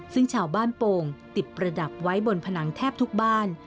ซึ่งชาวบ้านโป่งติดประดับไว้บนผนังแทบทุกบ้าน